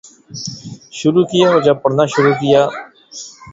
شروع کیا اور جب پڑھنا شروع کیا